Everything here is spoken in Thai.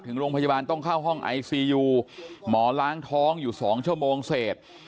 ถึงโรงพยาบาลต้องเข้าห้องไอซียูหมอล้างท้องอยู่๒ชั่วโมงเศษ